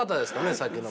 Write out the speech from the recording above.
さっきの方。